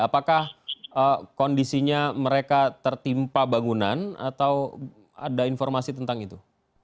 apakah kondisinya mereka tertimpa bangunan atau ada informasi tentang itu